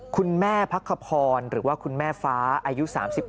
คุณแม่พักขพรหรือว่าคุณแม่ฟ้าอายุ๓๘